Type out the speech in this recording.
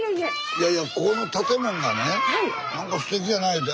いやいやこの建物がね何かすてきやないうて。